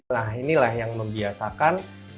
nah inilah yang membiasakan